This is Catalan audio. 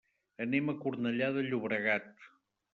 Anem a Cornellà de Llobregat.